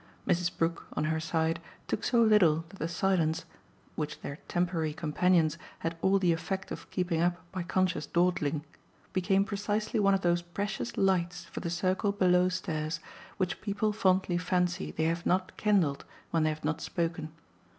Mrs. Brook, on her side, took so little that the silence which their temporary companions had all the effect of keeping up by conscious dawdling became precisely one of those precious lights for the circle belowstairs which people fondly fancy they have not kindled when they have not spoken.